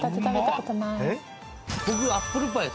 僕アップルパイ